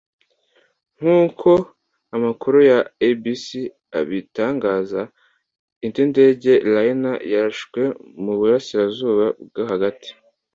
nk'uko amakuru ya abc abitangaza, indi ndege-liner yarashwe mu burasirazuba bwo hagati